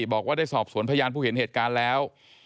บอกว่าได้สอบสวนพยานผู้เห็นเหตุการณ์แล้ว